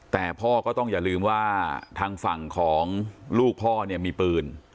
แต่พ่อก็ต้องอย่าลืมว่าทางฝั่งของลูกพ่อเนี่ยมีปืน